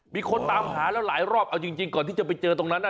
มีคนตามหาแล้วหลายรอบเอาจริงก่อนที่จะไปเจอตรงนั้น